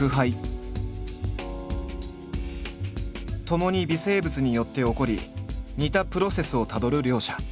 ともに微生物によって起こり似たプロセスをたどる両者。